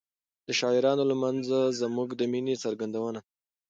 د شاعرانو لمانځنه زموږ د مینې څرګندونه ده.